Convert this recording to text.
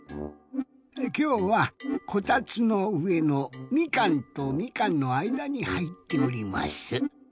きょうはこたつのうえのみかんとみかんのあいだにはいっております。